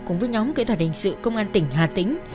cùng với nhóm kỹ thuật hình sự công an tỉnh hà tĩnh